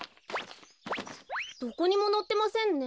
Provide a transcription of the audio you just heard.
どこにものってませんね。